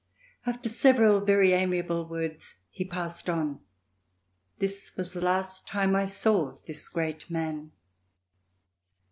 After several very amiable words, he passed on. This was the last time I saw this great man.